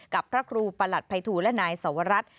กับพระครูประหลัดภัยทูลและนายสวรัตน์